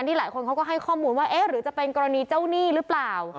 หลายคนเขาก็ให้ข้อมูลว่าเอ๊ะหรือจะเป็นกรณีเจ้าหนี้หรือเปล่า